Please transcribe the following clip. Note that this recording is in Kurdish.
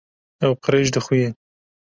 Ew qirêj dixuye.